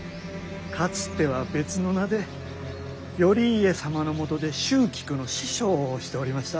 かつては別の名で頼家様のもとで蹴鞠の師匠をしておりました。